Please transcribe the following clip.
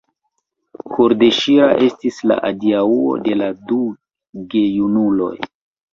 Kordeŝira estis la adiaŭo de la du gejunuloj.